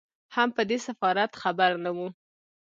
هم په دې سفارت خبر نه وو.